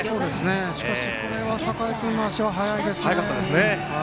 しかしこれは酒井君、足速いですね。